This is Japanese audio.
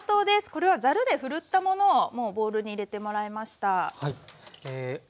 これはざるでふるったものをもうボウルに入れてもらいました。